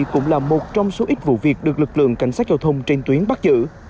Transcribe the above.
cũng là một trong số ít vụ việc được lực lượng cảnh sát giao thông trên tuyến bắt giữ